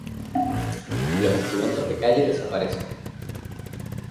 Los instrumentos de calle desaparecen.